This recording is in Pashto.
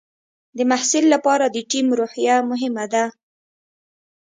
د محصل لپاره د ټیم روحیه مهمه ده.